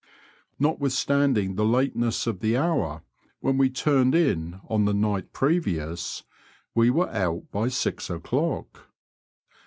Notwithstanding the lateness of the hour when we turned in on the night previous, we were out hy six o'clock.